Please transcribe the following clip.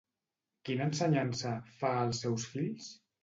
Quina ensenyança fa als seus fills?